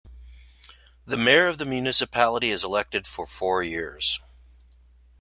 The Mayor of the municipality is elected for four years.